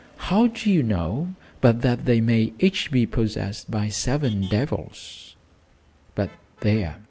How do you know but that they may each be possessed by seven devils? But there!